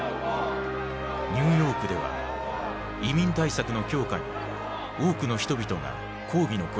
ニューヨークでは移民対策の強化に多くの人々が抗議の声を上げた。